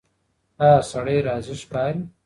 ایا سړی راضي ښکاري؟